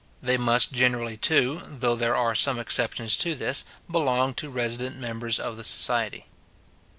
They must generally, too, though there are some exceptions to this, belong to resident members of the society.